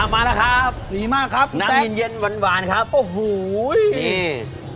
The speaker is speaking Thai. มาแล้วครับน้ำเย็นวานครับโอ้โหนี่แซ่ค